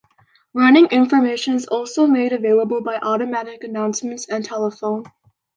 Running information is also made available by automatic announcements and telephone.